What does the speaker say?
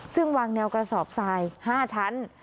ซึ่งวางแนวกระสอบทราย๕ชั้น